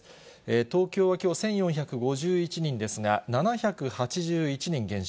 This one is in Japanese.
東京はきょう、１４５１人ですが、７８１人減少。